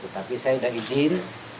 tapi saya sudah izin